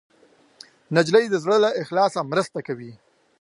نجلۍ د زړه له اخلاصه مرسته کوي.